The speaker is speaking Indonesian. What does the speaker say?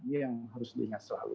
dia yang harus diingat selalu